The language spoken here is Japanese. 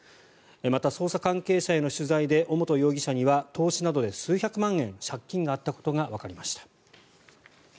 また、捜査関係者への取材で尾本容疑者には投資などで、数百万円の借金があったことがわかりました。